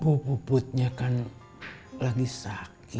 oh puputnya kan lagi sakit